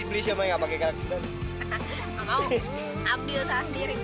bener ya aku bawa bawa semua ya